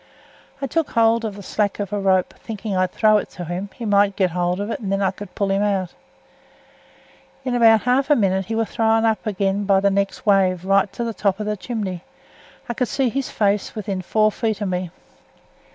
I took hold of the slack of a rope, thinking I'd throw it to him; he might get hold of it, and then I could pull him out. In about half a minute he was thrown up again by th' next wave right to the top of th' chimney. I could see his face within four feet of me.